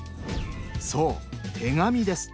そう手紙です。